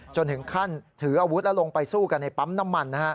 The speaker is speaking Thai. จนถึงขั้นถืออาวุธแล้วลงไปสู้กันในปั๊มน้ำมัน